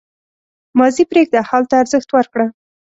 • ماضي پرېږده، حال ته ارزښت ورکړه.